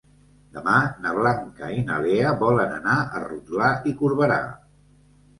Demà na Blanca i na Lea volen anar a Rotglà i Corberà.